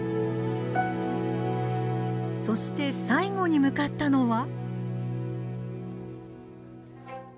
そして最後に向かったのは。